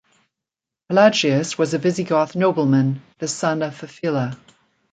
Pelagius was a Visigoth nobleman, the son of Fafila.